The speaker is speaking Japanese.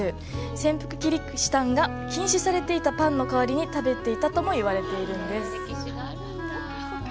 潜伏キリシタンが禁止されていたパンの代わりに食べていたともいわれているんです。